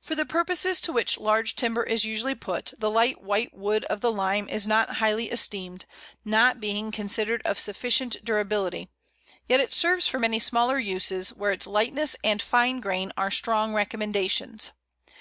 For the purposes to which large timber is usually put, the light white wood of the Lime is not highly esteemed, not being considered of sufficient durability; yet it serves for many smaller uses, where its lightness and fine grain are strong recommendations.